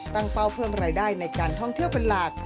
เป้าเพิ่มรายได้ในการท่องเที่ยวเป็นหลัก